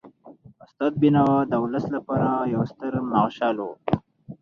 استاد بینوا د ولس لپاره یو ستر مشعل و.